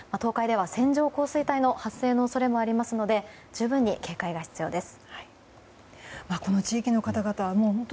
線状降水帯の発生の恐れもありますので十分に警戒が必要です。